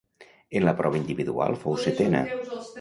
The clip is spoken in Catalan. En la prova individual fou setena.